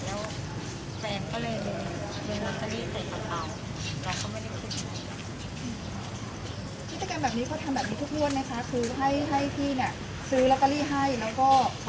แล้วแฟนก็เลยเงินล็อตเตอรี่ใส่กับเขาเราก็ไม่ได้คิดว่า